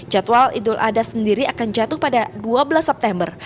jadwal idul adha sendiri akan jatuh pada dua belas september